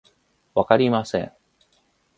わかりません